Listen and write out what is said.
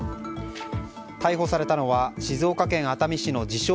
逮捕されたのは、静岡県熱海市の自称